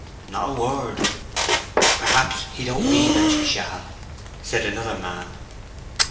"Not a word." "Perhaps he don't mean that she shall," said another man.